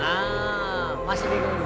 nah masih bingung juga